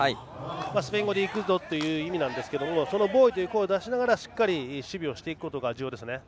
スペイン語でいくぞという意味なんですけどそのボイという声を出しながらしっかり守備していくことが重要ですね。